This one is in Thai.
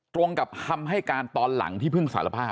ตรงกับคำให้การตอนหลังที่เพิ่งสารภาพ